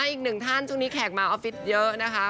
อีกหนึ่งท่านช่วงนี้แขกมาออฟฟิศเยอะนะคะ